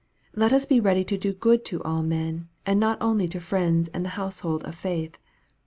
Let us be ready to do good to all men, and not only to friends and the household of faith.